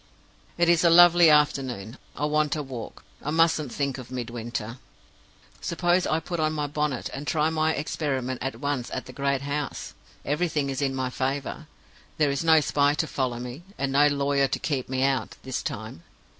"It is a lovely afternoon I want a walk I mustn't think of Midwinter. Suppose I put on my bonnet, and try my experiment at once at the great house? Everything is in my favor. There is no spy to follow me, and no lawyer to keep me out, this time.